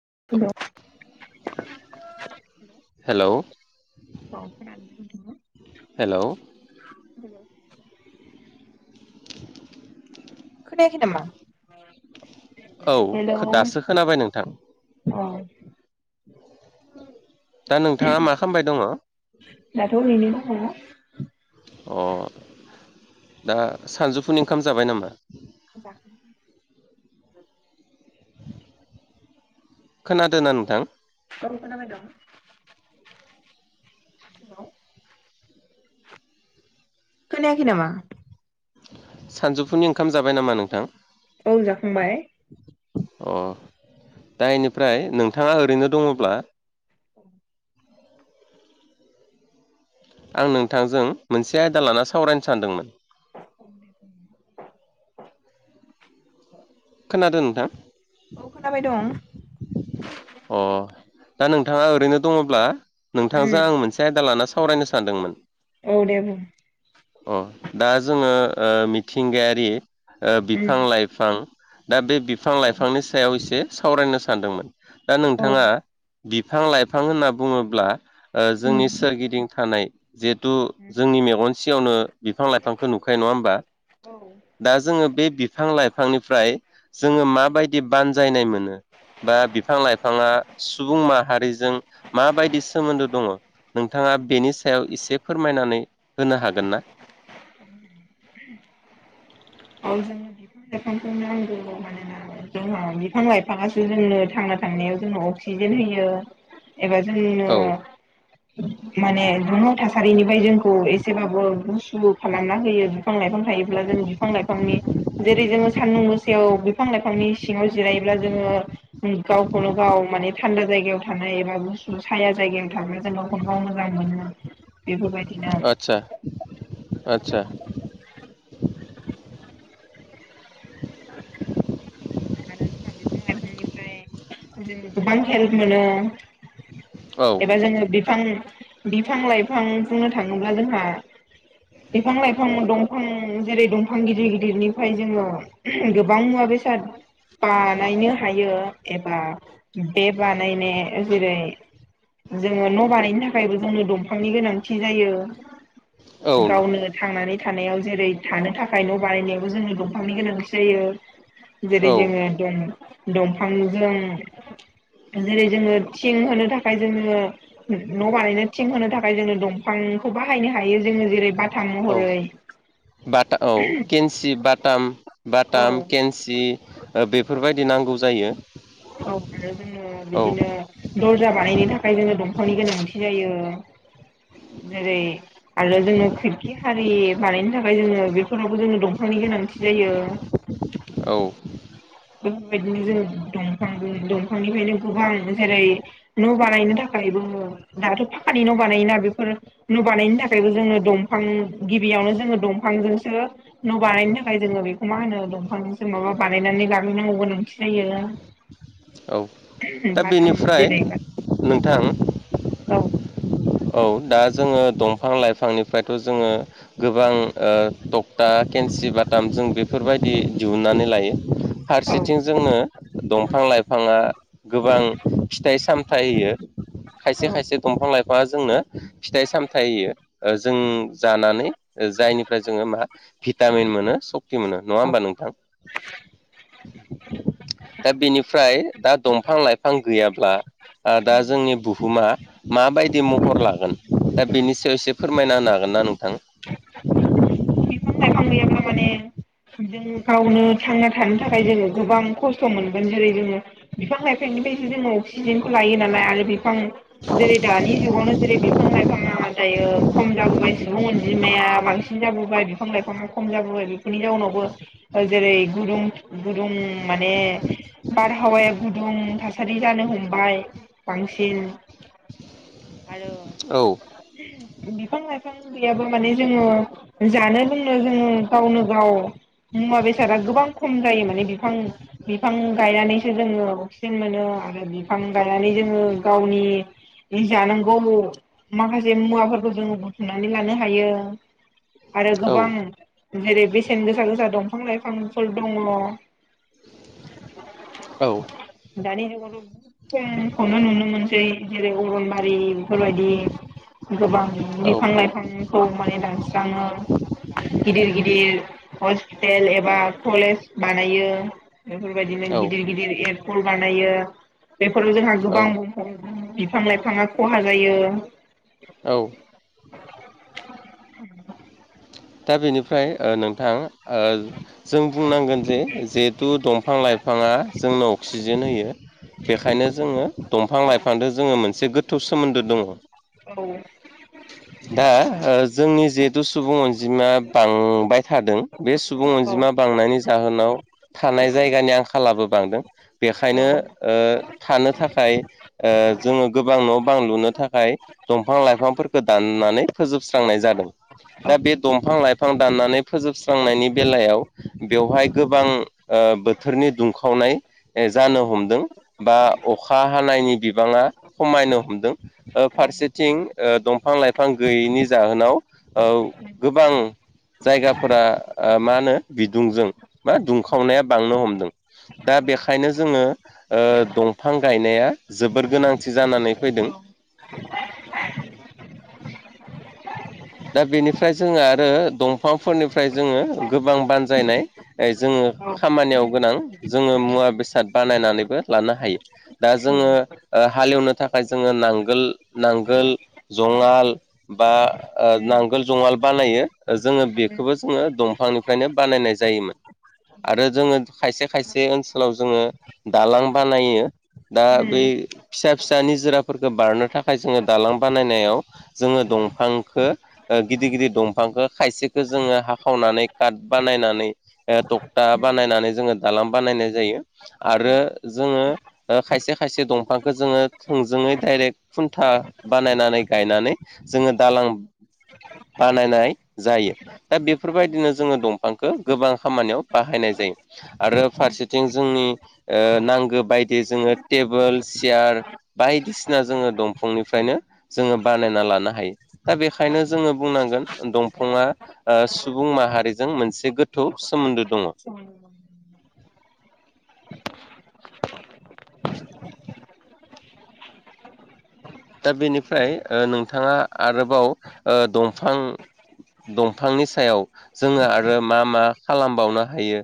[unintelligible] औ खोनादों हेलौ ना नोंथां आ हेलौ हेलौ खनायाखै नामा हेल खो औ दासो खोनाबाय नोंथां दा नोंथाङा मा खालामबाय दङ दाथ' ओरैनो दङ अ दा सानजौफुनि ओंखाम जाबाय नामा जाखांबाय खोनादों ना नोंथां औ खोनाबाय दं हेल' खोनायाखै नामा सानजौफुनि ओंखाम जाबाय नामा नोंथां औ जाखांबाय अ दा इनिफ्राय नोंथाङा ओरैनो दङब्ला औ आं नोंथांजों मोनसे आयदा लाना सावरायनो सानदोंमोन [inaudible] खोनादों नोंथां औ खोनाबाय दं अ दा नोंथाङा ओरैनो दङब्ला उम नोंथांजों आं मोनसे आयदा लाना सा सावरायनो सानदोंमोन औ दे बुं अ दा जोङो ओ मिथिंगायारि ओ बिफां उम लाइफां दा बे बिफां लाइफांनि सायाव एसे सावरायनो सानदोंमोन दा औ नोंथाङा बिफां लाइफां होनना बुङोब्ला ओ उम जोंनि सोरगिदिं थानाय जिहेथु जोंनि मेगन सिङावनो बिफां लाइफांखौ नुखायो नङा होमबा औ दा जोङो बे बिफां लाइफांनिफ्राय जोङो माबायदि बानजायनाय मोनो बा बिफां लाइफाङा सुबुं माहारिजों माबायदि सोमोन्दो दङ नोंथाङा बेनि सायाव इसे फोरमायनानै होनो हागोन ना उ औ जोंनो बिफां लाइफांखौ नांगौ मानोना जोंहा बिफां लाइफाङासो जोंनो थांनाय थांनायाव जोंनो अक्सिजेन होयो एबा जोंनो औ माने दुनाव थासारिनिफ्राय जों खौ एसेबाबो गुसुु खालामना होयो बिफां लाइफां थायोब्ला जों बिफां जेरै जोङो सान्दुं मोसायाव बिफां लाइफांनि सिङाव जिरायोब्ला जोङो गाव गावखौनो गाव माने थान्दा जायगायाव थानाय एबा गुसथु साया जायगायाव थाबा जों गावखौनो गाव मोजां मोनो बेफोरबायदिनो आचचा आचचा [unintelligible] आरो जोंहा बिफां लाइफांनिफ्राय जों गोबां हेल्प मोनो औ एबा जोङो बिफां बिफां लाइफां बुंनो थाङोब्ला जोंहा बिफां लाइफां दं जेरै दंफां गिदिर गिदिरनिफ्राय जोङो गोबां मुवा बेसाद बानायनो हायो एबा बे बानायनाया जेरै - जोङो न' बानायनो थाखायबो जोंनो दंफांनि गोनांथि जायो। औ गावनो थांनानै थानायाव जेरै थानो थाखाय न' बानायनायावबो जोंनि दंफांनि गोनांथि जायो। जेरै औ जोङो दं-दंफांजों जेरै जोङो थिं होनो था खाय जोङो न' बानायनो थिं होनो थाखाय जोङो दंफांखौ बाहायनो हायो जोङो जेरै बा थाम महरै बटा औ केन्सि बाटाम बाटाम औ केन्सि ओ बेफोरबायदि नांगौ जायो। औ आरो जोङो औ बिदिनो दर्जा बानायनो थाखाय जोङो दं नख'रनि गोनांथि जायो। जेरै आरो जोङो खोरखि हारि बानायनि थाखाय जोङो बेफोरावबो जोङो दंफां गोनांथि जायो। औ बेफोरबायदिनो जो दं दंफांनिफ्रायनो गोबां जेरै न' बानायनो थाखायबो दाथ' फाखानि न' बानायो ना बेफोर नुबानायनि थाखायबो जोंङनो दंफां गिबियावनो जोङो दंफांजों सो न' बानायनो थाखाय जोङो बेखौ मा होनो दंफांसो माबा बानायनानै लाग्रनांगौ गोनांथि जायो। [inaudible] औ दा बाथाम बेनिफ्राय जेरै नोंथां औ औ दा जोङो दंफां लाइफांनिफ्रायथ' जोङो गोबां ओ टक्टा केन्सि बाथाम जों बेफोरबायदि दिहुनन्नानै लायो। औ फारसेथिं जोंनो दंफां लाइफाङा गोबां फिथाइ सामथाइ होयो खायसे औ खायसे दंफां लाइफाङा जोंनो। फिथाइ सामथाय होयो जों जानानै जायनिफ्राय जोङो मा भिटामिन मोनो सक्ति मोनो नङा होमबा नोंथां? दा बेनिफ्राय दा दंफां लाइफां गैयाब्ला ओ दा जोंनि बुहुमा माबाय दि महर लागोन दा बेनि सायाव एसे फोरमायना होनो हागोन ना नोंथां। बिफां लाइफां गोयाब्ला माने जों गावनो थांना थानो थाखाय जोङो गोबां खस्थ' मोनगोन जेरै जोङो। बिफां लाइफांनि बायदि जोङो। सिजेनखौ लायो नालाय आरो बिफां जेरै दानि जुगावनो जेरै बिफां लाइफाङा दायो खम जाबोबाय सुबुं अनजिमाया बांसिन जाबोबाय बिफां लाइफाङा खम जाबोबाय बेनि जाउनावबो जेरै गुदुं गुदुं माने बारहावाया गुदुं थासारि जानो हमबाय बांसिन आरो औ बिफां लाइफां गैयाबो माने जोङो जानो लोंनो जोङो गावनो गाव मुवा बेसादा गोबां खम जायो माने बिफां बिफां गायनानैसो जोङो अकिजेन मोनो। आरो बिफां गायनानै जोङो गावनि जानांगौ माखासे मुवाफोरखौ जोङो बुथुमनानै लानो हायो। आरो औ गोबां जेरै बेसेन गोसा गोसा दंफां लाइफांफोर दङ। औ दानि जुगावथ' खमखौनो नुनो मोनसै। जेरै अरनबारि बेफोर बायदि गोबां औ बिफां लाइफांखौ माने दानस्रांनाय दानस्राङो। गिदिर गिदिर हस्पिटेल एबा कलेज बानायो बेफोर बायदिनो। औ गिदिर गिदिर बानायो बेफोराव जोंहा औ गोबां बिफां लाइफाङा खहा जायो। औ। औ। दा बेनिफ्राय नोंथां जों बुंनांगोन जे जिहेथु दंफां लाइफाङा जोंनो अक्सिजेन होयो। बेखायनो जोङो दंफां लाइफांजों जोङो मोनसे गोथौ सोमोन्दो दङ औ दा जोंनि जिहेथु सुबुं अनजिमा बांबाय थादों बे सुबुं औ अनजिमा बांनायनि जाहोनाव थानाय जायगानि आंखालाबो बांदों औ बेखायनो थानो थाखाय जोङो गोबां न' बां लुनो थाखाय दंफां लाइफांफोरखौ दान नानै फोजोबस्रांनाय जादों। औ दा बे दंफां लाइफां दाननानै फोजोबस्रांनायनि बेलायाव बेवहाय गोबां बोथोरनि दुंखावनाय। औ जानो हमदों बा अखा हानायनि बिबाङा खमायनो हमदों फारसे फारसेथिं दंफां लाइफां गैयैनि जाहोनाव गोबां जायगाफोरा मा होनो बिदुंजों मा दुंखावनाया बांनो हमदों। दा बेखायनो जोङो दंफां गायनाया जोबोर गोनांथि जानानै फैदों। [inaudible] [inaudible] दा बेनिफ्राय जोङो आरो दंफांफोरनिफ्राय जोङो गोबां बानजायनाय जोङो। औ खामानियाव गोनां जोङो मुवा बेसाद बानायनानैबो लानो हायो। दा जोङो हालेवनो थाखाय जोङो नांगोल नांगोल जंगाल। बा औ नांगोल जंगाल बानायो जोङो बेखौबो जोङो दंफांनिफ्रायनो बानायनाय जायोमोन। आरो जोङो खायसे खायसे ओनसोलाव जोङो दालां बानायो। दा बै उम फिसा फिसा निजोराफोरखौ बारनो थाखाय जोङो दालां बानायनायाव जोङो दंफां गिदिर गिदिर दंफांखौ खायसेखौ जोङो हाखावनानै काट बानायनानै टकथा उम बानायनानै जोङो दालां बानायनाय जायो उम आरो जोङो खायसे खायसे। दंफांखौ जोङो थोंजोङै डाइरेक्ट खुन्था बानायनानै गायनानै जोङो दालां [inaudible] बानायनाय जायो दा बेफोर बायदिनो जोङो दंफांखौ गोबां खामानियाव बाहायनाय जायो। आरो फारसेथिं जोंनि नांगौ बायदि जोङो टेबोल, सियार। बायदिसिना जोङो दंफांनिफ्रायनो जोङो बानायना लानो हायो। दा बेखायनो जोङो बुंनांगोन दंफाङा सुबुं माहारिजों मोनसे गोथौ सोमोन्दो दङ। उम। दा बेनिफ्राय नोंथाङा आरोबाव दंफां। दंफांनि सायाव जोङो आरो मा मा खालामबावनो हायो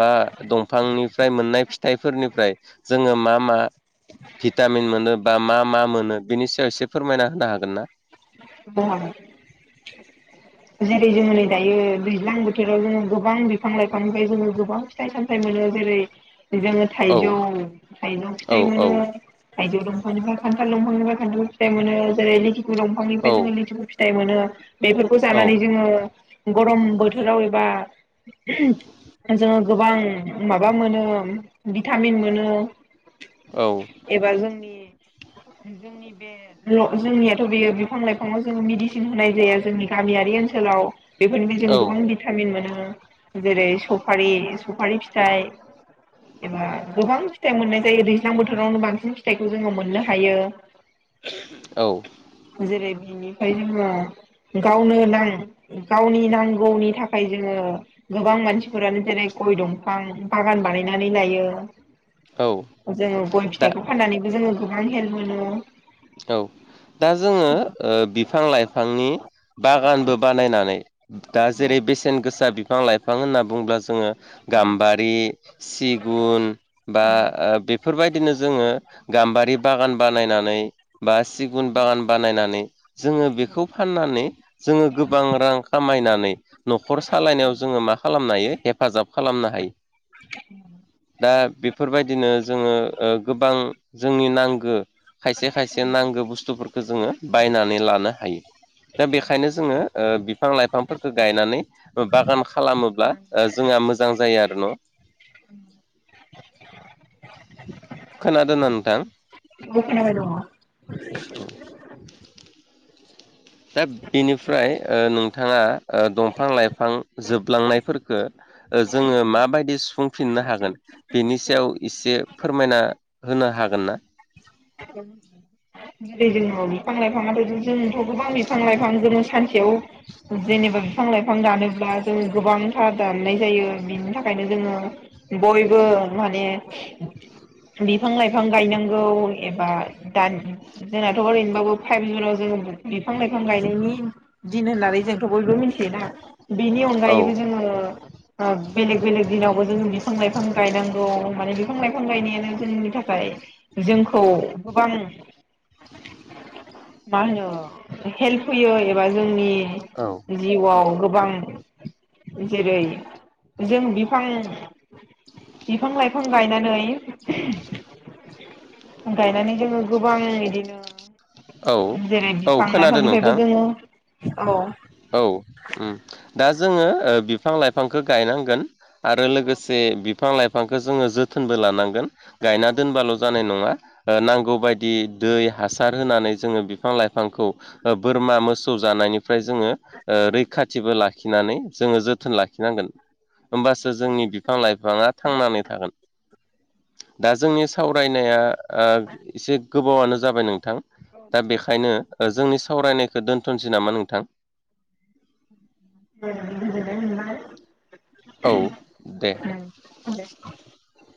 बा दंफांनिफ्राय मोननाय फिथाइफोरनिफ्राय जोङो मा मा? भिटामिन मोनो बा मा मा मोनो बेनि सायाव एसे फोरमायना होनो हागोन ना? ब [unintelligible] जेरै जोङो नै दायो दैज्लां बोथोराव जोङो गोबां बिफां लाइफांनिफ्राय जोङो गोबां फिथाइ सामथाइ मोन औ औ औ थाइजौ दंफांनिफ्राय खान्थाल दंफांनिफ्राय खान्थाल फिथाइ मोनो जेरै लिथिखु दंफांनिफ्राय औ जोङ लिथिखु फिथाइ मोनो। बेफोरखौ औ जानानै जोङो गरम जोङो गोबां माबा मोनो भिटामिन मोनो। एबा जोंनि जोंनि बे जोंनियाथ' बेयो बिफां लाइफाङाव जोङो मेडिसिन होनाय जाया जोंनि गामियारि ओनसोलाव बेफोरनिफ्राय जों औ गोबां भिटामिन मोनो जेरै सफारि सफारि फिथाइ एबा गोबां फिथाइ मोननाय जायो दैज्लां बोथोरावनो बांसिन फि फिथाइखौ जोङो मोननो हायो औ जेरै इनिफाइ जोङो गावनो नां गावनि नांगौनि थाखाय जोङो गोबां मानसिफोरानो जेरै [inaudible] गय दंफां बागान बानायनानै लायो औ जोङो गय दा फिथाइखौ फाननानैबो जोङो गोबां हेल्प मोनो औ दा जोङो ओ बिफां -लाइफांनि [unintelligible] बागानबो बानायनानै दा जेरै बेसेन गोसा बिफां- लाइफां होनना बुङोब्ला जोङो अ गाम्बारि सिगुन बा ओ बेफ फोरबायदिनो जोङो गाम्बारि बागान बानायनानै बा सिगुन बागान बानायनानै जोङो बेखौ फाननानै जोङो गोबां रां खामायनानै न'खर सालायनायाव जोङो मा खालामनो हायो हेफाजाब खालामनो हायो [unintelligible] दा बेफोरबायदिनो जोङो ओ गोबां जोंनि नांगो खायसे खायसे नांगौ बुस्थुफोरखो जोङो बायनानै लानो हायो दा बेखायनो जोङो ओ बि फां -लाइफांफोरखो गायनानै ओ बागान खालामोब्ला ओ जोंहा मोजां जायो आरो न' [unintelligible] खोनादों ना नोंथां औ खोनाबाय [inaudible] दा बेनिफ्राय ओ नोंथाङा ओ दंफां लाइफां जोबलांनायफोरखो ओ जोङो माबायदि सुफुं फिननो हागोन बेनि सायाव इसे फोरमायना होनो हागोन ना [unintelligible] जोंनो बिफां- लाइफाङाथ' [unintelligible] जोंथ' गोबां बिफां लाइफां जोङो सानस सेवाव जेनेबा बिफां लाइफां दानो ब्ला जों गोबांथार दाननाय जायो बिनि थाखायनो जोङो गयबो माने बिफां- लाइफां गायनांगौ एबा दान जोंनाथ' ओरैनोबाबो फाइभ जुनाव जोङो बिफां लाइफां गायनायनि दिन होननानै जोंथ' बयबो मिनथियोना बेनि औ अनगायैबो जोङो ओ बेलेग बेलेग दिनावबो जोङो बिफां- लाइफां गायनांगौ माने बिफां लाइफां गायनायानो जोंनि थाखाय जोंखौ गोबां [inaudible] मा होनो हेल्प होयो एबा जोंनि औ जिउआव गोब बां जेरै जों बिफां बिफां- लाइफां गायनानै गायनानै जोङो गोबां इदिनो औ जेरै औ बिफां खोनादों -लाइफांनिफायबो नोंथां जोङो औ औ उम दा जोङो ओ बिफां- लाइफांखो गायनांगोन आरो लोगोसे बिब फां लाइफांखो जोङो जोथोनबो लानांगोन गायना दोनबाल' जानाय नङा ओ नांगौ बायदि दै हासार होनानै जोङो बिफां- लाइफांखौ ओ बोरमा मोसौ जानायनि फ्राय जोङो ओ रैखाथिबो लाखिनानै जोङो जोथोन लाखिनांगोन होमबासो जोंनि बिफां- लाइफाङा थांनानै थागोन दा जोंनि सावरायनाया ओ एसे गोबावानो जाबाय नोंथां दा बेखायनो ओ जोंनि सावरायनायखो दोनथ'निसै नामा नोंथां [unintelligible] औ दे [unintelligible]